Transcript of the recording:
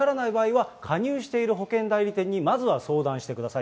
分からない場合は、加入している保険代理店にまずは相談してくだ